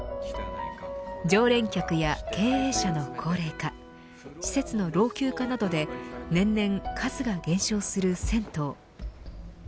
常連客や経営者の高齢化施設の老朽化などで年々数が減少する銭湯。